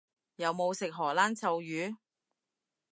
有冇食荷蘭臭魚？